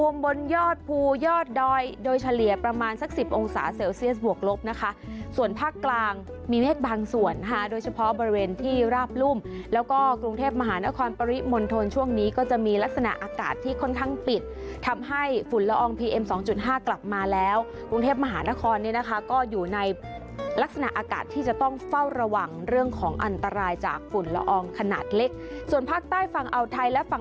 มีเมฆบางส่วนด้วยเฉพาะบริเวณที่ราบรุ่มแล้วก็กรุงเทพมหานครปริมนตร์ทนช่วงนี้ก็จะมีลักษณะอากาศที่ค่อนข้างปิดทำให้ฝุ่นละอองพีเอ็ม๒๕กลับมาแล้วกรุงเทพมหานครนี่นะคะก็อยู่ในลักษณะอากาศที่จะต้องเฝ้าระวังเรื่องของอันตรายจากฝุ่นละอองขนาดเล็กส่วนภาคใต้ฝั่งเอาไทยและฝ